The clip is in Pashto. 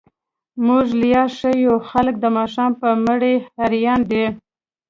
موږ ليا ښه يو، خلګ د ماښام په مړۍ هريان دي.